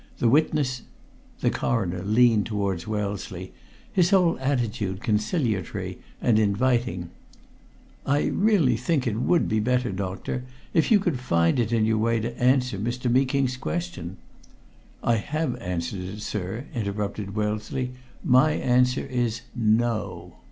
"The witness " The Coroner leaned towards Wellesley, his whole attitude conciliatory and inviting. "I really think that it would be better, doctor, if you could find it in your way to answer Mr. Meeking's question " "I have answered it, sir," interrupted Wellesley. "My answer is no!"